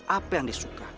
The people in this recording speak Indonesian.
apa yang disuka